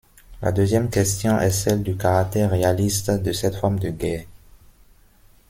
La deuxième question est celle du caractère réaliste de cette forme de guerre.